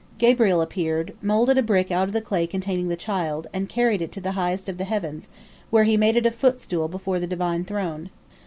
Gabriel appeared, moulded a brick out of the clay containing the child, and carried it to the highest of the heavens, where he made it a footstool before the Divine throne.